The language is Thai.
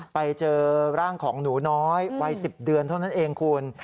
ไปเจอร่างของหนูน้อยวัย๑๐เดือนเท่านั้นเองคุณ